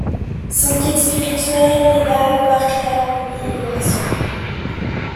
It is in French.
Son guide spirituel l'aida à voir clair en lui et le rassura.